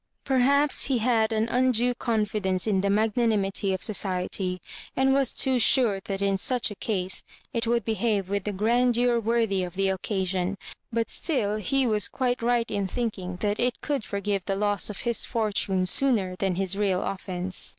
Perhaps he had an undue confidence in the magnanimity of society, and was too sure that in such a case it would be> have with a grandeur worthy of the occasion ; but still he was quite right in thinking that it could forgive the loss of his fortune sooner than his real offence.